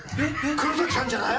黒崎さんじゃない？